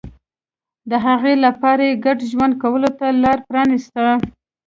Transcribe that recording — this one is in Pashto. د هغوی لپاره یې ګډ ژوند کولو ته لار پرانېسته.